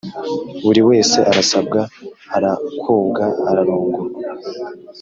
buri wese arasabwa arakobwa, ararongorwa.